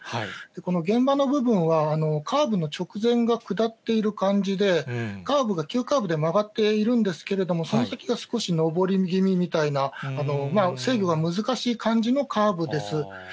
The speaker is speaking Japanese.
この現場の部分はカーブの直前が下っている感じで、カーブが急カーブで曲がっているんですけれども、その先が少し上り気味みたいな制御が難しい感じのカーブです。